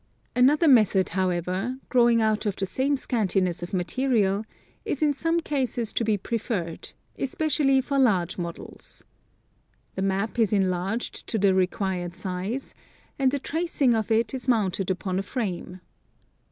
Another method, however, growing out of the same scantiness of material, is in some cases to be preferred, especially for large models. The map is enlarged to the required size, and a ti'acing of it is mounted upon a frame.